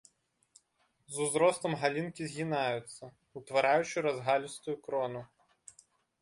З узростам галінкі згінаюцца, утвараючы разгалістую крону.